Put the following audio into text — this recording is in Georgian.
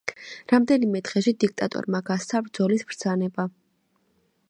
რამდენიმე დღეში დიქტატორმა გასცა ბრძოლის ბრძანება.